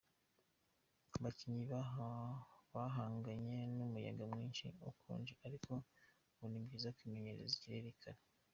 Abakinnyi bahanganye n’umuyaga mwinshi ukonje ariko ngo ni byiza kwimenyereza ikirere kare.